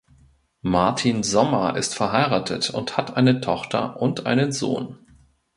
Martin Sommer ist verheiratet und hat eine Tochter und einen Sohn.